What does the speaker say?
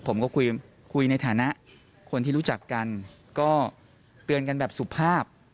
ผมก็คุยคุยในฐานะคนที่รู้จักกันก็เตือนกันแบบสุภาพ